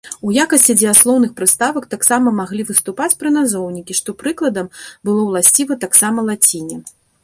У якасці дзеяслоўных прыставак таксама маглі выступаць прыназоўнікі, што, прыкладам, было ўласціва таксама лаціне.